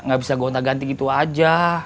gak bisa gonta ganti gitu aja